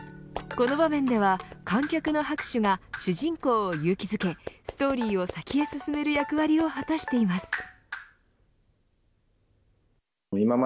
この場面では観客の拍手が主人公を勇気づけストーリーを先へ進める役割を果たしています。